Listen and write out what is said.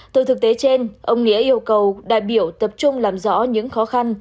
từ thực tế trên ông nghĩa yêu cầu đại biểu tập trung làm rõ những khó khăn